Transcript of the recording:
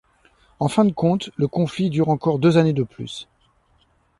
En fin de compte, le conflit dure encore deux années de plus.